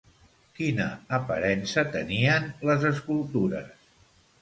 Quina aparença tenien les escultures?